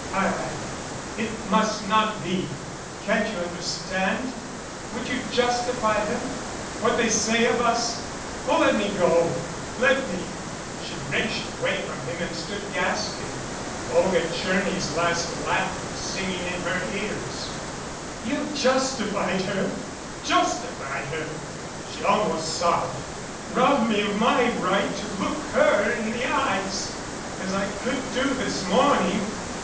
I It must not be can't you understand? Would you justify them what they say of us? Oh, let me go. Let me " She wrenched away from him and stood gasping, Olga Tcherny's last laughter singing in her ears. "You've justified her justified her," she almost sobbed, "robbed me of my right to look her in the eyes as I could do this morning.